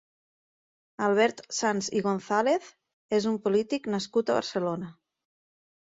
Albert Sanz i González és un polític nascut a Barcelona.